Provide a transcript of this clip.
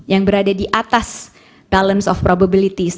yang berada di atas balance of probabilities